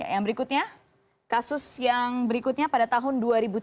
yang berikutnya kasus yang berikutnya pada tahun dua ribu tujuh belas